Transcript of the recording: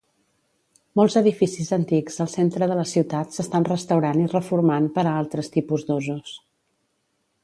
Molts edificis antics al centre de la ciutat s'estan restaurant i reformant per a altres tipus d'usos.